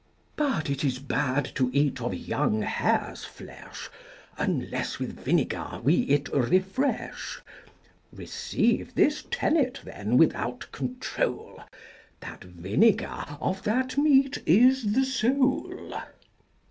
But it is bad to eat of young hare's flesh, Unless with vinegar we it refresh. Receive this tenet, then, without control, That vinegar of that meat is the soul.